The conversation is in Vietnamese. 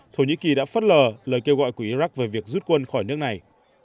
thổ nhĩ kỳ đã phất lờ lời kêu gọi của iraq về việc rút quân khỏi nước này